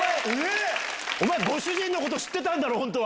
お前、ご主人のこと知ってたんだろ、本当は。